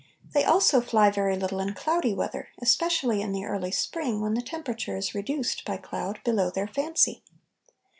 They also fly very little in cloudy weather, especially in the early spring, when the temperature is reduced by cloud below their fancy.